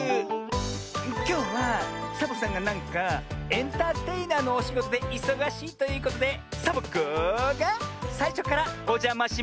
きょうはサボさんがなんかエンターテイナーのおしごとでいそがしいということでサボ子がさいしょからおじゃましマンボーしてます！